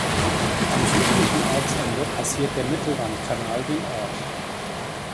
Am südlichen Ortsende passiert der Mittellandkanal den Ort.